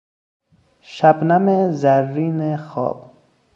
شبنم زرین خواب